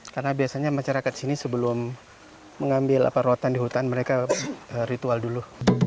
karena biasanya masyarakat sini sebelum mengambil rotan di hutan mereka ritual dulu